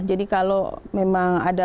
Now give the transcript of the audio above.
jadi kalau memang ada